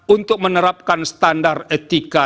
untuk menerapkan standar etika